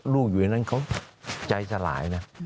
อยู่ในนั้นเขาใจสลายนะ